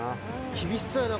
厳しそうやな